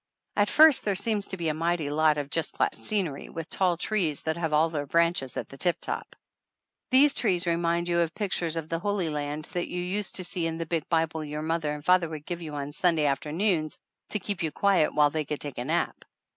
At first there seems to be a mighty lot of just flat scenery, with tall trees that have all their branches at the tiptop. These trees remind you of pictures of the Holy Land that you used to see in the big Bible your mother and father would give you on Sunday after noons to keep you quiet while they could take a nap.